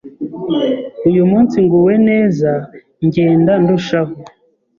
uyu munsi nguwe neza, ngenda ndushaho